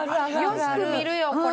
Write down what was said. よく見るよこれ。